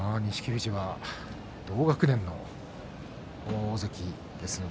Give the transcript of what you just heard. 富士は同学年の大関ですよね。